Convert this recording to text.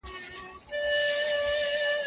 تاسو د مثبت ذهنیت سره له ژوند څخه خوند اخلئ.